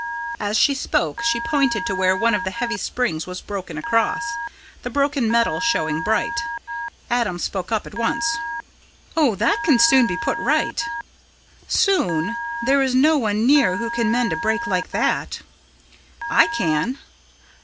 As she spoke she pointed to where one of the heavy springs was broken across, the broken metal showing bright. Adam spoke up at once: "Oh, that can soon be put right." "Soon? There is no one near who can mend a break like that." "I can."